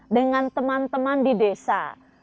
dengan teman teman di desa